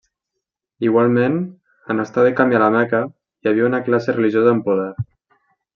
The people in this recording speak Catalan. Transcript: Igualment, en estar de camí a La Meca, hi havia una classe religiosa amb poder.